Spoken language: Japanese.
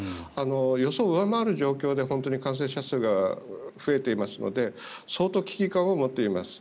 予想を上回る状況で感染者数が増えていますので相当、危機感を持っています。